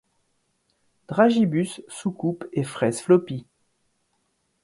Dragibus, soucoupes et fraises floppy.